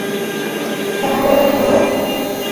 এখানে এলে কিভাবে?